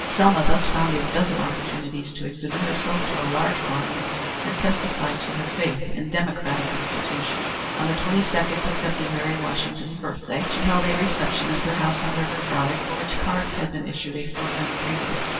Selma thus found a dozen opportunities to exhibit herself to a large audience and testify to her faith in democratic institutions. On the 22d of February, Washington's birthday, she held a reception at their house on River Drive, for which cards had been issued a fortnight previous.